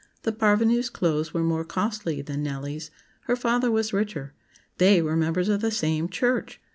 The parvenu's clothes were more costly than "Nellie's;" her father was richer; they were members of the same church!